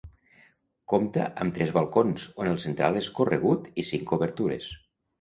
Compta amb tres balcons, on el central és corregut, i cinc obertures.